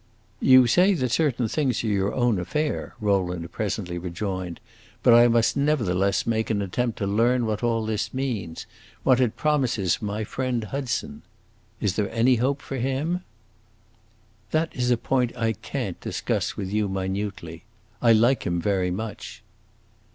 "You say that certain things are your own affair," Rowland presently rejoined; "but I must nevertheless make an attempt to learn what all this means what it promises for my friend Hudson. Is there any hope for him?" "This is a point I can't discuss with you minutely. I like him very much."